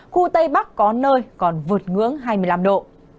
khu tây bắc có nơi còn vượt ngưỡng hai mươi năm độ